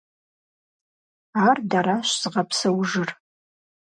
Ар дэращ зыгъэпсэужыр.